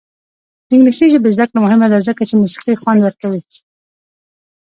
د انګلیسي ژبې زده کړه مهمه ده ځکه چې موسیقي خوند ورکوي.